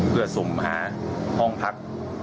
เพื่อสุ่มหาห้องพัก